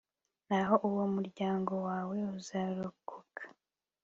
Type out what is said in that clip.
naho uwo mu muryango wawe uzarokoka